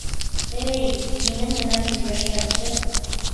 Эй, һинең менән һөйләшкәнсе...